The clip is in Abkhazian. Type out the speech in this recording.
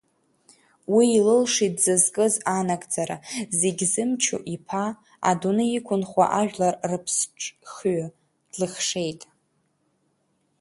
Уи илылшеит дзызкыз анагӡара, Зегь Зымчу иԥа, Адунеи иқәынхо ажәлар Рыԥсҿыхҩы длыхшеит.